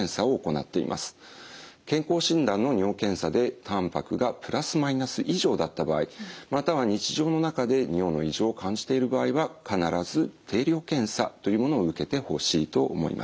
健康診断の尿検査でたんぱくが±以上だった場合または日常の中で尿の異常を感じている場合は必ず定量検査というものを受けてほしいと思います。